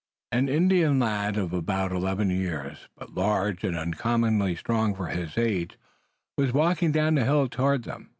An Indian lad of about eleven years, but large and uncommonly strong for his age, was walking down the hill toward them.